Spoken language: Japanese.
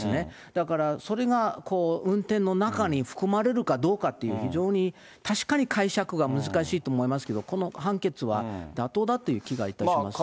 だからそれが運転の中に含まれるかどうかっていう、非常に確かに解釈が難しいと思いますけど、この判決は妥当だという気がいたします。